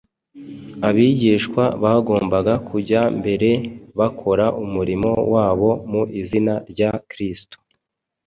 Abigishwa bagombaga kujya mbere bakora umurimo wabo mu izina rya Kristo.